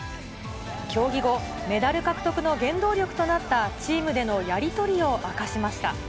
競技後、メダル獲得の原動力となった、チームでのやり取りを明かしました。